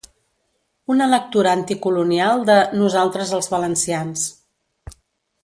Una lectura anticolonial de ‘Nosaltres els valencians’